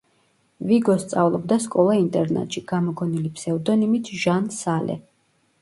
ვიგო სწავლობდა სკოლა-ინტერნატში, გამოგონილი ფსევდონიმით ჟან სალე.